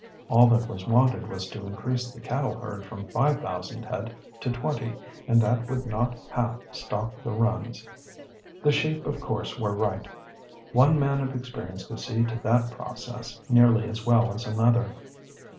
All that was wanted was to increase the cattle herd from five thousand head to twenty, and that would not half stock the runs. The sheep of course were right. One man of experience could see to that process nearly as well as another.